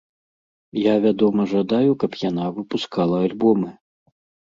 Я, вядома, жадаю, каб яна выпускала альбомы.